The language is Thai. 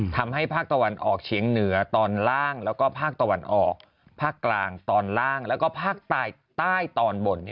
ภาคตะวันออกเฉียงเหนือตอนล่างแล้วก็ภาคตะวันออกภาคกลางตอนล่างแล้วก็ภาคใต้ใต้ตอนบน